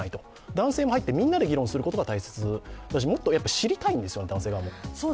男性も入ってみんなで議論することが大切だしもっと知りたいんですよね、男性側も。